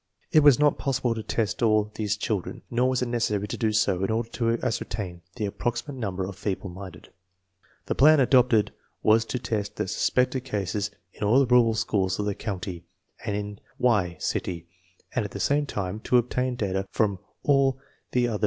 It was not possible to test all these chil dren, nor was it necessary to do so in order to ascer tain the approximate number of feeble minded. The plan adopted was to test the suspected cases in all the rural schools of the county and in " Y" city, and at the same time to obtain data from all of the other 1 Terman, Lewis M.